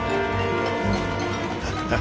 ハハハ！